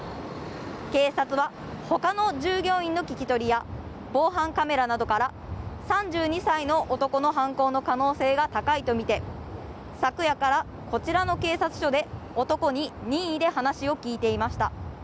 警察は他の従業員の聞き取りや防犯カメラなどから３２歳の男の犯行の可能性が高いとみて昨夜からこちらの警察署で男に任意で話を聞いていました。